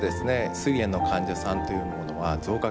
すい炎の患者さんというものは増加傾向です。